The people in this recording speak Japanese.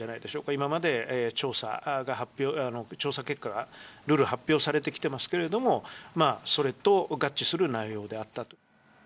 今まで調査結果がるる発表されてきていますけれども、それと合致する内容であったと。